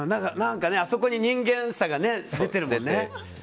あそこに人間らしさが出てるもんね。